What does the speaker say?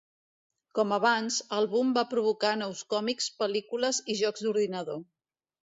Com abans, el boom va provocar nous còmics, pel·lícules i jocs d'ordinador.